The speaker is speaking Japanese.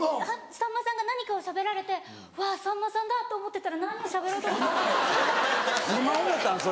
さんまさんが何かをしゃべられて「うわさんまさんだ」と思ってたら何をしゃべろうと思ったか。